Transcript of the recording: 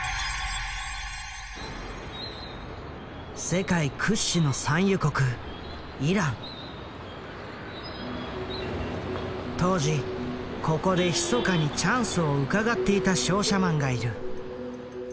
世界屈指の産油国当時ここでひそかにチャンスをうかがっていた商社マンがいる。